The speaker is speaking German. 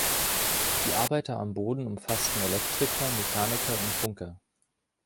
Die Arbeiter am Boden umfassten Elektriker, Mechaniker und Funker.